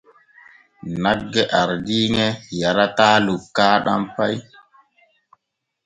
Nagge ardiiŋe yarataa lukaaɗam pay.